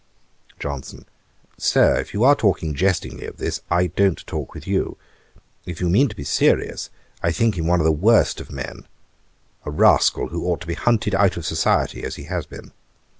JOHNSON. 'Sir, if you are talking jestingly of this, I don't talk with you. If you mean to be serious, I think him one of the worst of men; a rascal who ought to be hunted out of society, as he has been.